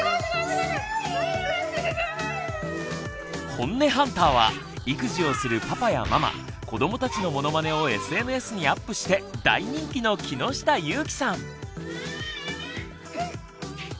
ホンネハンターは育児をするパパやママ子どもたちのモノマネをＳＮＳにアップして大人気の木下ゆーきさん。